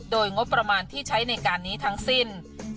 โดยงบประมาณที่ใช้ในการนี้ทั้งสิ้น